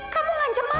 kamu ngancam mama